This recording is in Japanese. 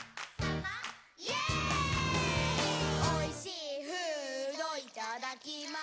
「おいしーフードいただきます」